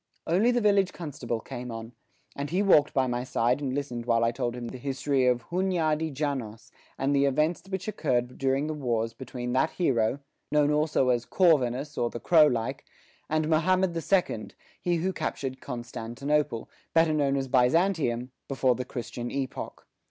Only the village constable came on, and he walked by my side and listened while I told him the history of Hunyadi Janos and the events which occurred during the wars between that hero, known also as Corvinus or the crow like, and Mahommed the second, he who captured Constantinople, better known as Byzantium, before the Christian epoch.